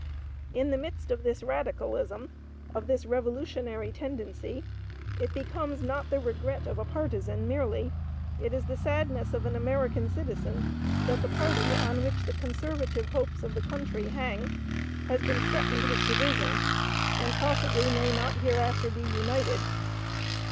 In the midst of this radicalism, of this revolutionary tendency, it becomes not the regret of a partisan merely; it is the sadness of an American citizen, that the party on which the conservative hopes of the country hang has been threatened with division, and possibly may not hereafter be united.